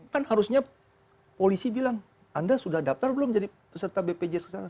kan harusnya polisi bilang anda sudah daftar belum jadi peserta bpjs kesehatan